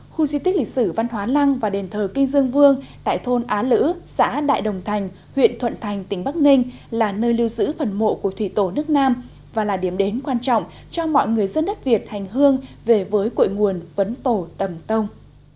khu di tích lịch sử văn hóa lăng và đền thờ kinh dương vương tại thôn á lữ xã đại đồng thành huyện thuận thành tỉnh bắc ninh là nơi lưu giữ phần mộ của thủy tổ nước nam và là điểm đến quan trọng cho mọi người dân đất việt hành hương về với cội nguồn vấn tổ tầm tông